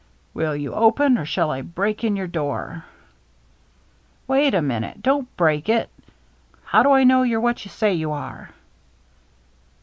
" Will you open, or shall I break in your door?" "Wait a minute! Don't break it! How do I know you're what you say you are